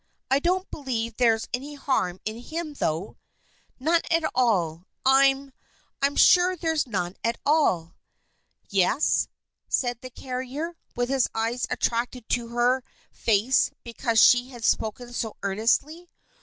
I don't believe there's any harm in him, though." "None at all. I'm I'm sure there's none at all." "Yes?" said the carrier, with his eyes attracted to her face because she had spoken so earnestly.